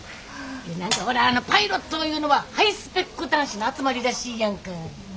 何かほらパイロットいうのはハイスペック男子の集まりらしいやんか。